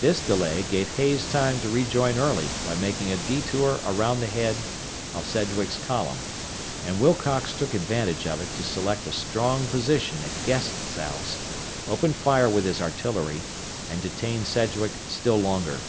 This delay gave Hays time to rejoin Early by making a detour around the head of Sedgwick's column, and Wilcox took advantage of it to select a strong position at Guest's House, open fire with his artillery, and detain Sedgwick still longer.